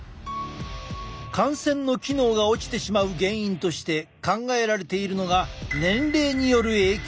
汗腺の機能が落ちてしまう原因として考えられているのが年齢による影響。